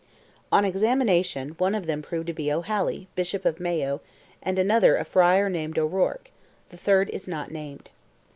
On examination, one of them proved to be O'Haly, Bishop of Mayo, and another a friar named O'Rourke; the third is not named.